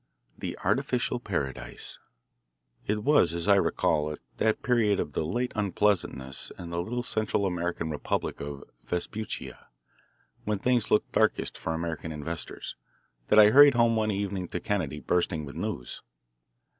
XI. The Artificial Paradise It was, I recall, at that period of the late unpleasantness in the little Central American republic of Vespuccia, when things looked darkest for American investors, that I hurried home one evening to Kennedy, bursting with news.